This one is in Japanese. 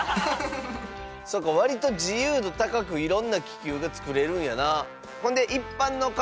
そうか割と自由度高くいろんな気球がつくれるんやな。